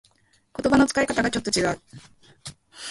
言葉の使い方がちょっと違う